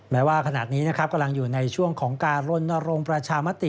แม้ว่าขณะนี้นะครับกำลังอยู่ในช่วงของการรณรงค์ประชามติ